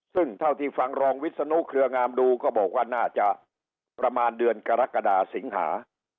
ซึ่งเท่าที่ฟังรองวิศนุเครืองามดูก็บอกว่าน่าจะประมาณเดือนกรกฎาสิงหา